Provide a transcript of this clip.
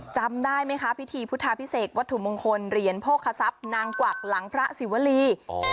จำได้ไหมคะพิธีพุทธาพิเศษวัตถุมงคลเหรียญโภคทรัพย์นางกวักหลังพระศิวรี